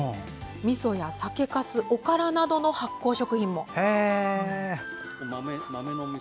みそや、酒かすおからなどの発酵食品も。